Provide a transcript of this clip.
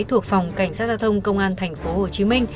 thuộc phòng cảnh sát giao thông công an tp hcm